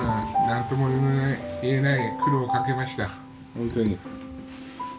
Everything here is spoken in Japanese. なんとも言えない苦労をかけました本当に。